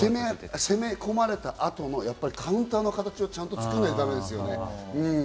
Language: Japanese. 攻め込まれた後のカウンターの形をちゃんと作らないとだめですよね。